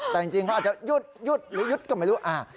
แต่จริงเขาอาจจะหยุดหรือหยุดก็ไม่รู้